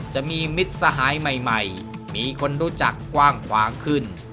จะมีมิตรสหายใหม่มีคนรู้จักกว้างขวางขึ้น